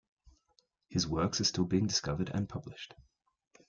His works are still being discovered and published.